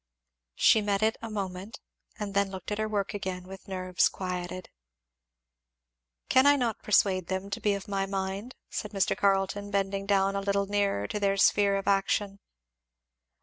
She met it a moment and then looked at her work again with nerves quieted. "Cannot I persuade them to be of my mind?" said Mr. Carleton, bending down a little nearer to their sphere of action.